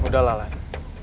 udah lah lali